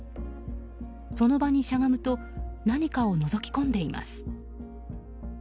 その場にしゃがむと何かをのぞき込んでいます。